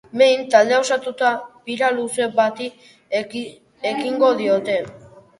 Behin taldea osatuta, bira luze bati ekingo diote.